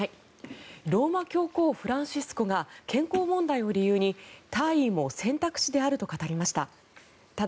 ローマ教皇フランシスコが健康問題を理由に退位も選択肢であると語りました。